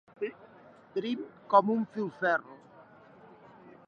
Prim com un filferro.